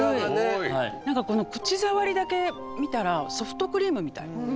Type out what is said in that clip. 何かこの口触りだけ見たらソフトクリームみたい。